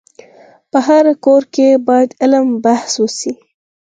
په هر کور کي باید علم بحث وسي.